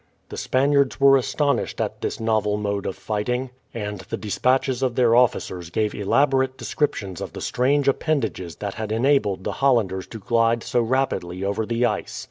The Spaniards were astonished at this novel mode of fighting, and the despatches of their officers gave elaborate descriptions of the strange appendages that had enabled the Hollanders to glide so rapidly over the ice.